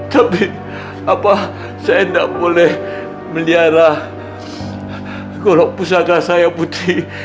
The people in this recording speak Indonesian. tapi saya tidak boleh melihara kalau pusaka saya putri